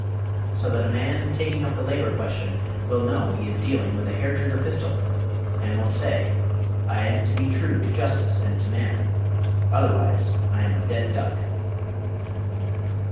_'" So that a man in taking up the labor question will know he is dealing with a hair trigger pistol, and will say, "I am to be true to justice and to man; otherwise I am a dead duck."